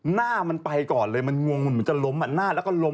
หน้ามันไปก่อนเลยมันงงมันจะล้มหน้าแล้วก็ล้ม